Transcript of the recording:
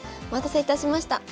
お待たせいたしました。